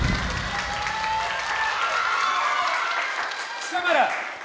貴様ら！